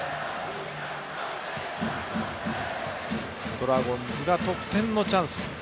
ドラゴンズが得点のチャンス。